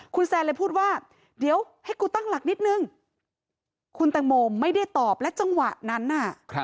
คุณแซนเลยพูดว่าเดี๋ยวให้กูตั้งหลักนิดนึงคุณตังโมไม่ได้ตอบและจังหวะนั้นน่ะ